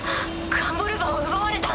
ガンヴォルヴァを奪われた。